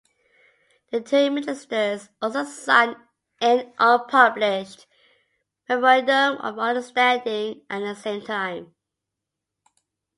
The two ministers also signed an unpublished memorandum of understanding at the same time.